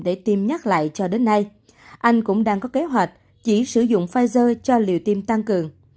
để tiêm nhắc lại cho đến nay anh cũng đang có kế hoạch chỉ sử dụng pfizer cho liệu tim tăng cường